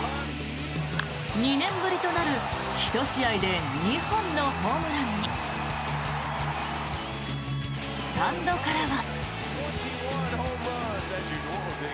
２年ぶりとなる１試合で２本のホームランにスタンドからは。